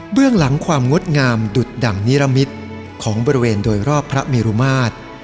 หลังความงดงามดุดดั่งนิรมิตรของบริเวณโดยรอบพระเมรุมาตร